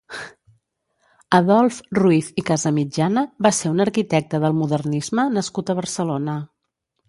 Adolf Ruiz i Casamitjana va ser un arquitecte del modernisme nascut a Barcelona.